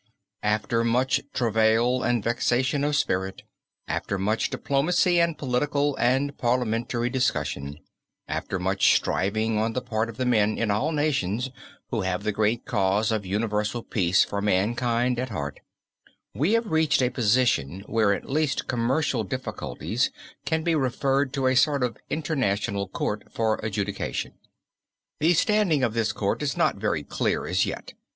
After much travail and vexation of spirit, after much diplomacy and political and parliamentary discussion, after much striving on the part of the men in all nations, who have the great cause of universal peace for mankind at heart, we have reached a position where at least commercial difficulties can be referred to a sort of international court for adjudication. The standing of this court is not very clear as yet.